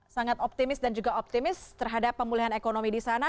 sangat optimis dan juga optimis terhadap pemulihan ekonomi di sana